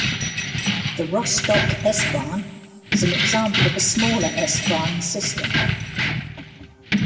The Rostock S-Bahn is an example of a smaller S-Bahn system.